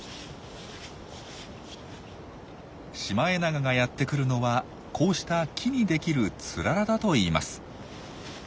シマエナガがやってくるのはこうした木にできるツララだといいます。